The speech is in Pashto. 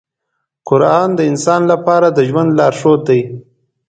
قرآن د انسان لپاره د ژوند لارښود دی.